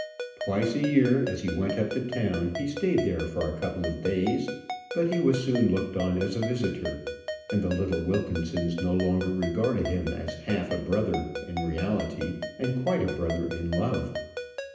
Twice a year, as he went up to town, he stayed there for a couple of days; but he was soon looked on as a visitor, and the little Wilkinsons no longer regarded him as half a brother in reality and quite a brother in love.